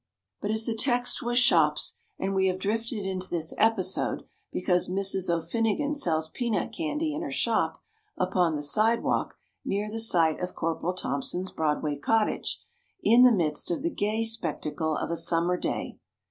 But the text was shops, and we have drifted into this episode because Mrs. O'Finnigan sells peanut candy in her shop upon the sidewalk near the site of Corporal Thompson's Broadway Cottage, in the midst of the gay spectacle of a summer day.